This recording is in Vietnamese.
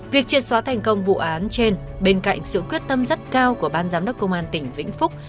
việc triệt xóa thành công vụ án trên bên cạnh sự quyết tâm rất cao của ban giám đốc công an tỉnh vĩnh phúc